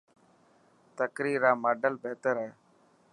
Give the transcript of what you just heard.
تقرير را ماڊل بهتر هئي.